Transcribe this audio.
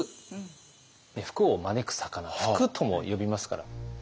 福を招く魚「ふく」とも呼びますから。